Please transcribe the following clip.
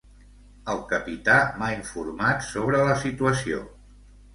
El capità m'ha informat sobre la situació.